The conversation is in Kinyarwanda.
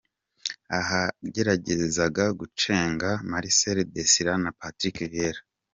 Aha yageragezaga gucenga Marcel Desailly na Patrick Viera.